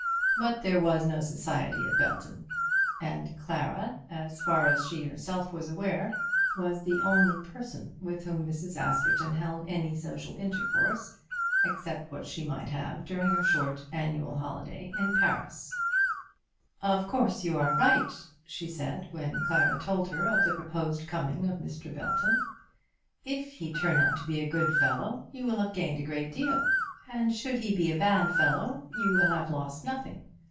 But there was no society at Belton, and Clara, as far as she herself was aware, was the only person with whom Mrs. Askerton held any social intercourse, except what she might have during her short annual holiday in Paris. "Of course, you are right," she said, when Clara told her of the proposed coming of Mr. Belton. "If he turn out to be a good fellow, you will have gained a great deal. And should he be a bad fellow, you will have lost nothing.